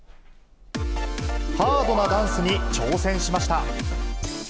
ハードなダンスに挑戦しました。